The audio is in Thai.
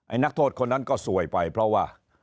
นักโทษคนนั้นก็สวยไปเพราะว่า